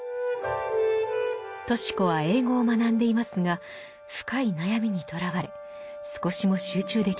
とし子は英語を学んでいますが深い悩みにとらわれ少しも集中できません。